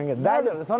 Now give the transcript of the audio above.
大丈夫。